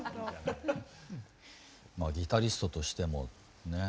ギタリストとしてもね